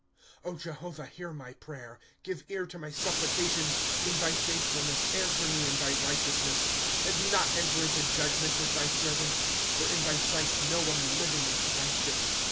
' Jehovah, hear my prayer ; Give ear to my suppUcations. In thy faithfulness, answer me in thy righteousness. ^ And do not enter into judgment with thy servant ; For in thy sight no one living is righteous.